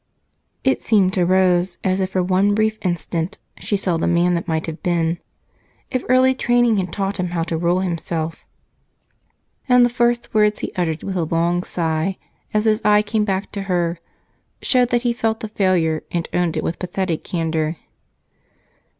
It seemed to Rose as if for one brief instant she saw the man that might have been if early training had taught him how to rule himself; and the first words he uttered with a long sigh, as his eye came back to her, showed that he felt the failure and owned it with pathetic candor.